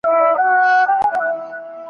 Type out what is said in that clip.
دواړي خویندي وې رنګیني ښایستې وې ..